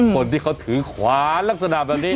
คนที่เขาถือขวานลักษณะแบบนี้